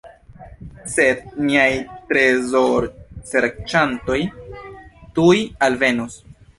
Sed niaj trezorserĉantoj tuj alvenos.